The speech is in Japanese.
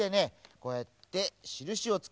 こうやってしるしをつけます。